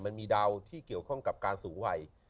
มันมีดาวที่เกี่ยวข้องกับการสูงวัย